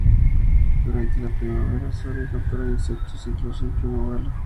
Durante la primavera suelen capturar insectos incluso en pleno vuelo.